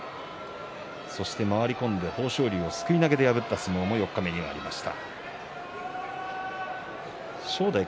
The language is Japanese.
回り込んで豊昇龍をすくい投げで破った相撲が四日目にはありました。